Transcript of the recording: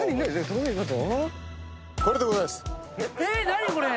どういうこと⁉